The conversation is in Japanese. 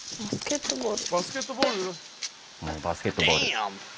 バスケットボール。